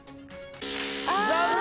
残念！